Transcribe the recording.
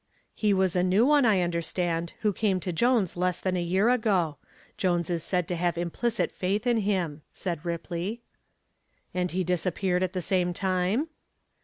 "He was a new one, I understand, who came to Jones less than a year ago. Jones is said to have had implicit faith in him," said Ripley. "And he disappeared at the same time?"